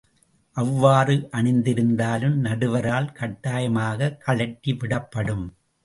அவ்வாறு அணிந்திருந்தாலும், நடுவரால் கட்டாயமாகக் கழற்றி விடப்படும்.